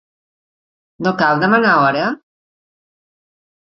No cal demanar hora?